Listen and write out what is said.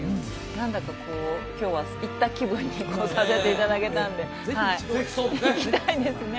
何だかこう今日は行った気分にさせていただけたぜひ一度は行きたいですね